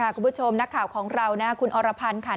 ทีนี้มาดูเรื่องของอาการคนที่บาดเจ็บนายภูกันหน่อยนะคะ